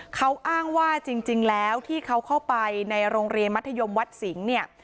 เขาอ้างว่าจริงแล้วที่เขาเข้าไปในโรงเรียนมัธยมวัดสิงห์เนี่ย